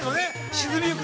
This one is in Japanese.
沈みゆく。